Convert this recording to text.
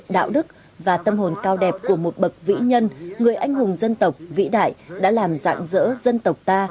đạo đức và tâm hồn cao đẹp của một bậc vĩ nhân người anh hùng dân tộc vĩ đại đã làm dạng dỡ dân tộc ta